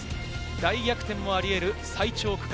大逆転もありうる最長区間。